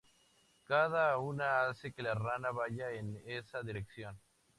Cada una hace que la rana vaya en esa dirección.